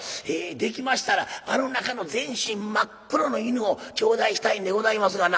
できましたらあの中の全身真っ黒の犬を頂戴したいんでございますがな」。